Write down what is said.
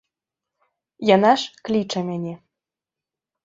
Яна ж кліча мяне.